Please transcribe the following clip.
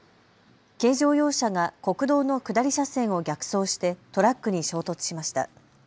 軽乗用車が国道の下り車線を逆走してトラックに衝突しました。